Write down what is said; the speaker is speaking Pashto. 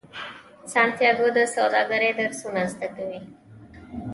سانتیاګو د سوداګرۍ درسونه زده کوي.